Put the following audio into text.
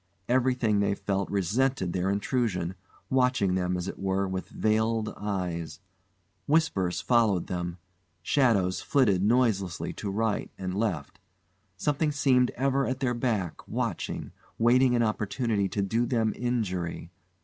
Everything, they felt, resented their intrusion, watching them, as it were, with veiled eyes; whispers followed them; shadows flitted noiselessly to right and left; something seemed ever at their back, watching, waiting an opportunity to do them injury.